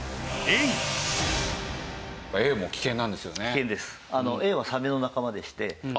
危険です。